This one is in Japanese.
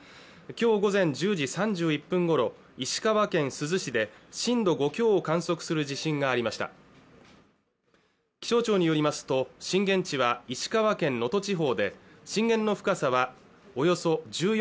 今日午前１０時３１分ごろ石川県珠洲市で震度５強を観測する地震がありました気象庁によりますと震源地は石川県能登地方で震源の深さはおよそ